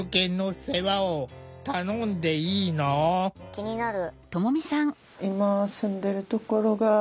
気になる。